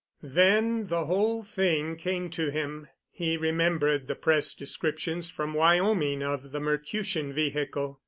Then the whole thing came to him. He remembered the press descriptions from Wyoming of the Mercutian vehicle.